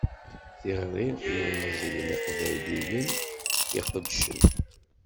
Tiɣri i yilmeẓyen iqbayliyen i iqeddcen.